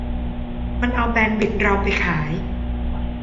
มันเอาแบนด์วิธเราไปขาย